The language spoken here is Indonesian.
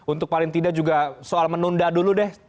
untuk paling tidak juga soal menunda dulu deh